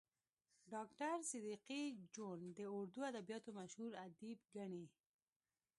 ډاکټر صدیقي جون د اردو ادبياتو مشهور ادیب ګڼي